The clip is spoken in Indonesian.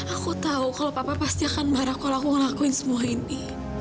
aku tahu kalau papa pasti akan marah kalau aku ngelakuin semua ini